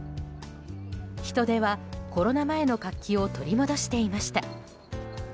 人出はコロナ前の活気を取り戻していました。